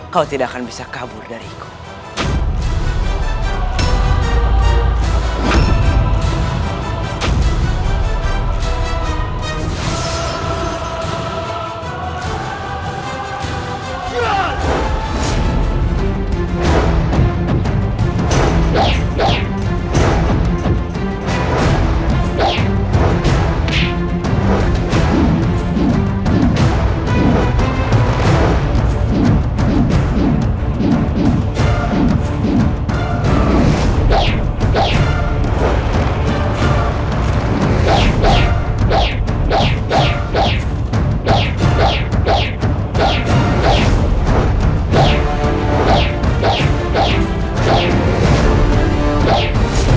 khawatir akan bisa kabur dari kau